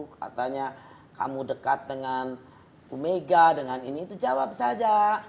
katanya kamu dekat dengan bu mega dengan ini itu jawab saja